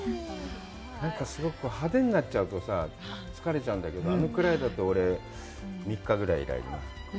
なんかすごく派手になっちゃうとさ、疲れちゃうんだけど、あのくらいだと３日ぐらいいられるな。